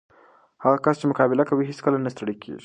هغه کس چې مقابله کوي، هیڅکله نه ستړی کېږي.